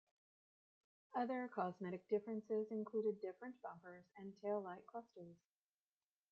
Other cosmetic differences included different bumpers and taillight clusters.